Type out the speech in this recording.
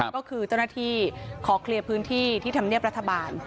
ก็คือเจ้าหน้าที่ขอเคลียร์พื้นที่ที่ธรรมเนียบรัฐบาล